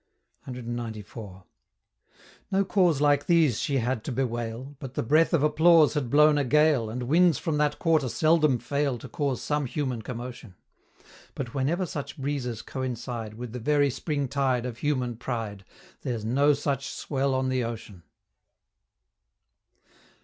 CXCIV. No cause like these she had to bewail: But the breath of applause had blown a gale, And winds from that quarter seldom fail To cause some human commotion; But whenever such breezes coincide With the very spring tide Of human pride, There's no such swell on the ocean!